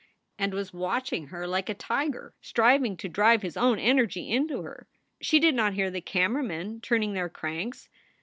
and was watching her like a tiger, striving to drive his own energy into her. She did not hear the camera men turning their cranks.